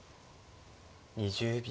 ２０秒。